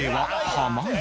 「濱家？」